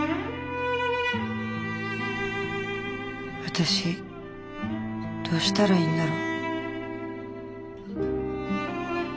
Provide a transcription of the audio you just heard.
私どうしたらいいんだろ。